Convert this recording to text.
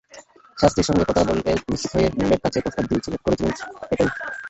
শাস্ত্রীর সঙ্গে কথা বলে নিশ্চিত হয়ে বোর্ডের কাছে প্রস্তাব করেছিলেন প্যাটেল।